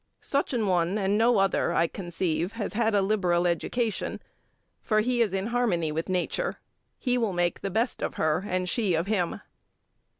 Such an one and no other, I conceive, has had a liberal education, for he is in harmony with Nature. He will make the best of her and she of him."